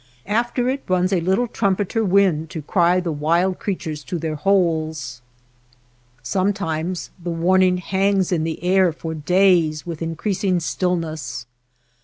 After it runs a little trumpeter wind to cry 254 NURSLINGS OF THE SKY the wild creatures to their holes. Some times the warning hangs in the air for days ^ with increasing stillness.